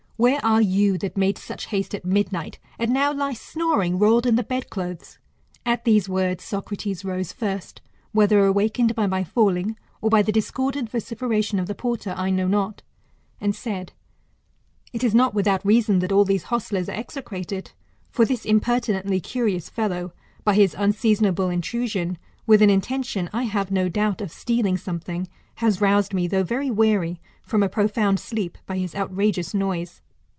Where are you, that made such haste at midnight, and now lie snoring, rolled in the bed clothes ? At these words, Socrates rose first, whether awakened by my falling, or by the discordant vociferation of the porter, I know not ; and said, It is not without reason that all these hostlers are execrated. For this impertinently curious fellow, by his unseasonable intrusion, with an intention, I have no doubt, of stealing something, has roused me, though very weary, from a profound sleep, by his outrageous noise.